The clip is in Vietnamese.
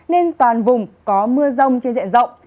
nên toàn vùng có mưa rông trên diện rộng